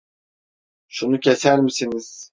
Şunu keser misiniz?